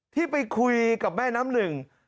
ที่ไปคุยกับแม่น้ำหนึ่ง